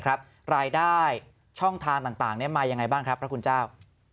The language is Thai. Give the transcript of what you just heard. รายได้ช่องทางต่างมายังไงบ้างครับพระคุณเจ้า